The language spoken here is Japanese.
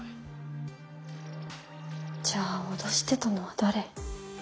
じゃあ脅してたのは誰？